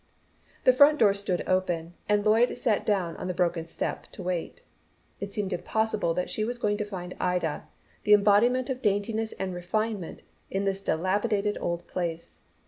The front door stood open, and Lloyd sat down on the broken step to wait. It seemed impossible that she was going to find Ida, the embodiment of daintiness and refinement, in this dilapidated old place.